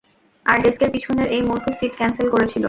আর ডেস্কের পিছনের এই মুর্খ সিট ক্যান্সেল করেছিলো।